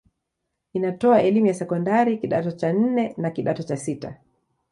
Inatoa elimu ya sekondari kidato cha nne na kidato cha sita.